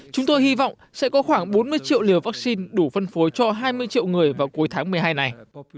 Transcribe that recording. chúng tôi hy vọng sẽ có khoảng bốn mươi triệu liều vaccine đủ phân phối cho hai mươi triệu người vào cuối tháng một mươi hai này